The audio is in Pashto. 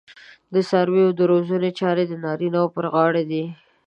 د څارویو د روزنې چارې د نارینه وو پر غاړه دي.